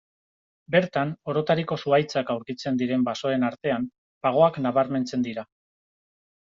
Bertan, orotariko zuhaitzak aurkitzen diren basoen artean, pagoak nabarmentzen dira.